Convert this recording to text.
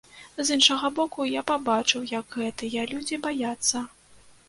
З іншага боку, я пабачыў, як гэтыя людзі баяцца.